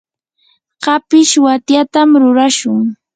kapish watyatam rurashun.